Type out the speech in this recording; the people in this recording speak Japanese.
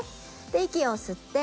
で息を吸って。